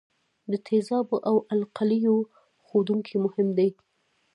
د تیزابو او القلیو ښودونکي مهم دي.